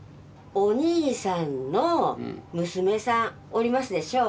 お兄さんの娘さんおりますでしょ。